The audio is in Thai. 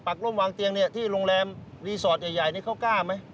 ปักลุ้มวางเตียงเนี่ยที่โรงแรมรีสอร์ตใหญ่เนี่ยเขากล้าไหม